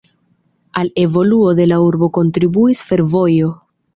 Al evoluo de la urbo kontribuis fervojo.